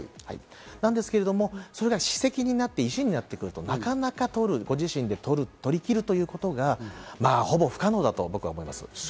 なんですけれども、それが歯石になって石になってくると、なかなかご自身で取りきるということが、まぁほぼ、不可能だと僕は思います。